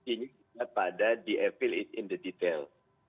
ini kita pada di appeal it in the detail